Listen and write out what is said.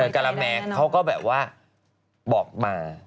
การาแมเขาก็แบบว่าบอกมา